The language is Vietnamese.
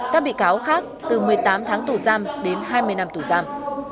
các bị cáo khác từ một mươi tám tháng tù giam đến hai mươi năm tù giam